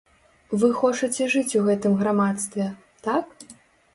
Вы хочаце жыць у гэтым грамадстве, так?